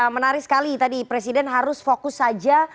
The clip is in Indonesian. menarik sekali tadi presiden harus fokus saja